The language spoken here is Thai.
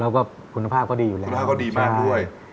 แล้วก็คุณภาพก็ดีอยู่แล้วแล้วก็ดีมากด้วย